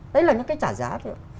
đấy là những cái trả giá rồi